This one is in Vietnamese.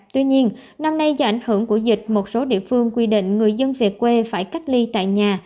tuy nhiên năm nay do ảnh hưởng của dịch một số địa phương quy định người dân về quê phải cách ly tại nhà